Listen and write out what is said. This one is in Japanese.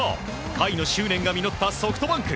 甲斐の執念が実ったソフトバンク。